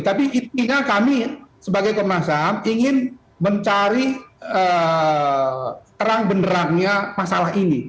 tapi intinya kami sebagai komnas ham ingin mencari terang benerangnya masalah ini